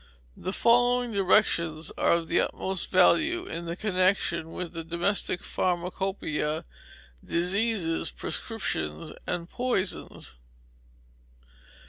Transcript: The following directions are of the utmost value in connection with the DOMESTIC PHARMACOPOEIA, DISEASES, PRESCRIPTIONS, and POISONS.